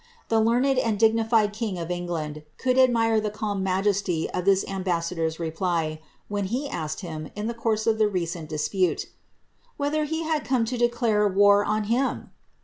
The learned and dignified king of England could admire the calm majesty of this ambusador's reply, when he asked him, in the course of the recent dispute, ^ Whether he had come to declare war on him